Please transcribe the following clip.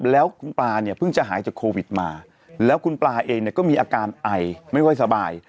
แล้วคุณปลาเนี่ยเพิ่งจะหายจากโควิดมาแล้วคุณปลาเองเนี่ยก็มีอาการไอไม่ค่อยสบาย